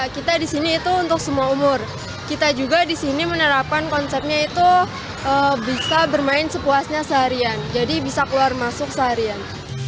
kita di sini itu untuk semua umur kita juga di sini menerapkan konsepnya itu bisa bermain sepuasnya seharian jadi bisa keluar masuk seharian